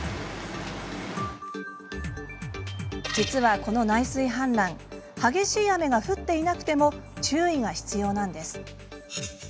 実は、この内水氾濫激しい雨が降っていなくても注意が必要なんです。